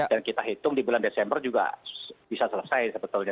dan kita hitung di bulan desember juga bisa selesai sebetulnya